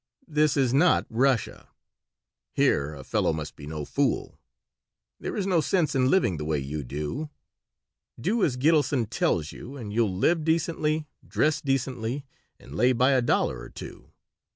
"This is not Russia. Here a fellow must be no fool. There is no sense in living the way you do. Do as Gitelson tells you, and you'll live decently, dress decently, and lay by a dollar or two.